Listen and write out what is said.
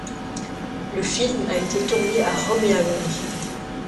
Le film a été tourné à Rome et à Londres.